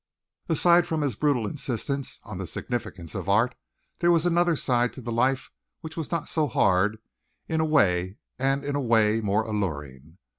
Aside from this brutal insistence on the significance of art, there was another side to the life which was not so hard and in a way more alluring.